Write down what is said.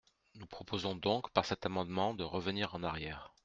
Nous proposons donc, par cet amendement, de revenir en arrière.